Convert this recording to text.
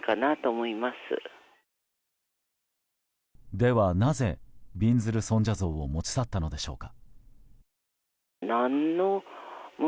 ではなぜ、びんずる尊者像を持ち去ったのでしょうか。